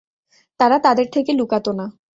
তারা তাদের থেকে লুকাত না।